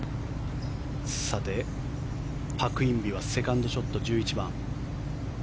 パク・インビはセカンドショット、１１番。